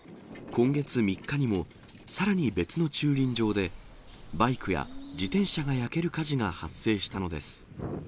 今月３日にも、さらに別の駐輪場でバイクや自転車が焼ける火事が発生したのです。